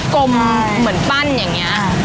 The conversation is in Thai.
กลมเหมือนปั้นอย่างนี้